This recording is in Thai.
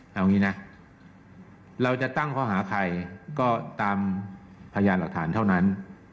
เอางี้นะเราจะตั้งข้อหาใครก็ตามพยานหลักฐานเท่านั้น